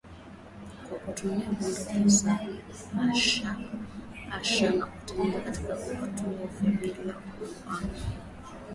kwa kutumia bunduki za rashasha na kurejea katika vituo vyao bila kuumia.